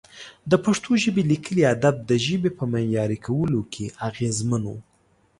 د پښتو ژبې لیکلي ادب د ژبې په معیاري کولو کې اغېزمن و.